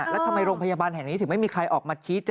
แล้วทำไมโรงพยาบาลเห่ยนี้ถึงไมดี